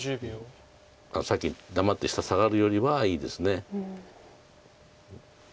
さっき黙って下サガるよりはいいです。